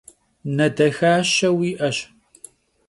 Ne dexaşe vui'eş.